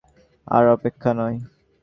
আর অপেক্ষা নয়।